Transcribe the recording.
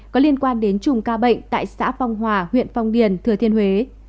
có liên quan đến chùm ca bệnh tại xã phong hòa huyện phong điền thừa thiên huế